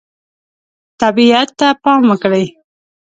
طبیعت ته پام وکړئ.